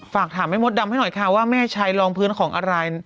ฝากถามแม่มดดำให้หน่อยค่ะว่าแม่ชัยลองพื้นของอะไร